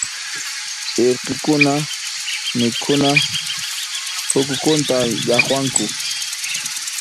Irqikuna mikhuna p'ukunkuta llaqwanku.